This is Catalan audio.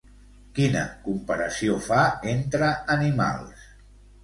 Quina comparació fa entre animals?